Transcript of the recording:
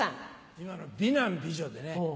今の美男美女でね。